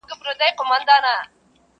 اوبه د لويه سره خړي دي.